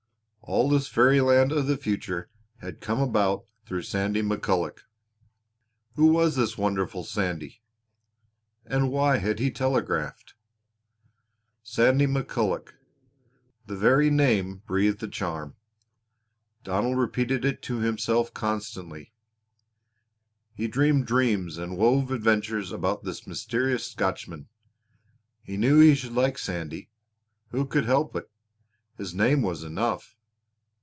All this fairy land of the future had come about through Sandy McCulloch! Who was this wonderful Sandy? And why had he telegraphed? Sandy McCulloch! The very name breathed a charm. Donald repeated it to himself constantly. He dreamed dreams and wove adventures about this mysterious Scotchman. He knew he should like Sandy. Who could help it? His name was enough.